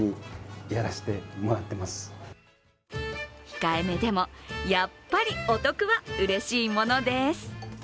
控えめでも、やっぱりお得はうれしいものです。